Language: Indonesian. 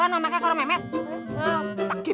allah khas not marhi mati mati